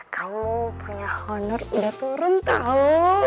kamu punya honor udah turun tau